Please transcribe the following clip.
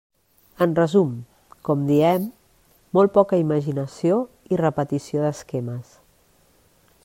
En resum, com diem, molt poca imaginació i repetició d'esquemes.